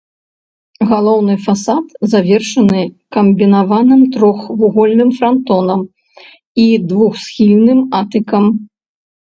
Галоўны фасад завершаны камбінаваным трохвугольным франтонам і двухсхільным атыкам.